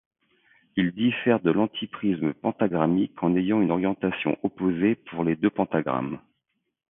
Il diffère de l'antiprisme pentagrammique en ayant une orientation opposée pour les deux pentagrammes.